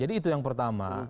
jadi itu yang pertama